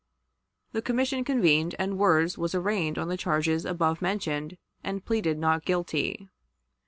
The commission convened, and Wirz was arraigned on the charges above mentioned, and pleaded not guilty.